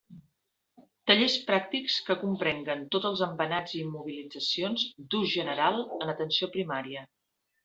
Tallers pràctics que comprenguen tots els embenats i immobilitzacions d'ús general en atenció primària.